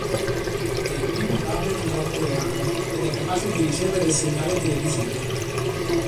È il primo tablet nordcoreano ed è capace di ricevere il segnale televisivo.